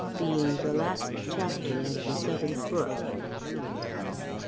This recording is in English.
_Being the last chapter of the seventh book.